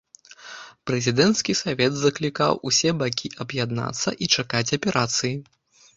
Прэзідэнцкі савет заклікаў усе бакі аб'яднацца і чакаць аперацыі.